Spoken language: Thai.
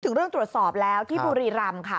ถึงเรื่องตรวจสอบแล้วที่บุรีรำค่ะ